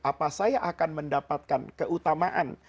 apa saya akan mendapatkan keutamaan